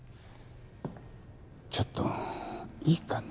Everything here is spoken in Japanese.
ちょっといいかな？